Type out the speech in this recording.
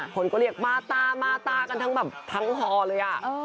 คนก็เรียกมาตามาตากันทั้งหอเลยอ่ะ